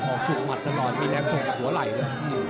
ออกสู่หมัดตลอดมีแรงส่งกับหัวไหล่เลย